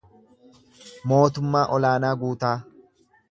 Mootummaa Olaanaa Guutaa